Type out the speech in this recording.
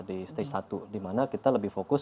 di stage satu dimana kita lebih fokus